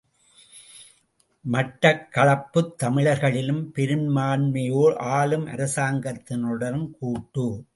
மட்டக் களைப்புத் தமிழர்களிலும் பெரும்பான்மையோர் ஆளும் அரசாங்கத்தினருடன் கூட்டு.